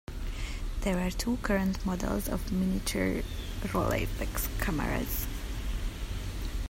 There are two current models of miniature Rolleiflex cameras.